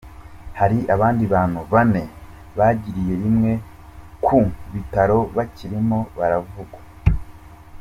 Hari abandi bantu bane bagiriye rimwe ku bitaro bakirimo baravugwa.